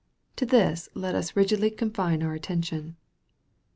To this let us rigidly confine our attention.